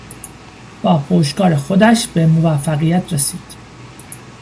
با پشتکار خودش به موفقیت رسید.